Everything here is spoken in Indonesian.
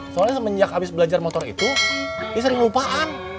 soalnya semenjak habis belajar motor itu dia sering lupaan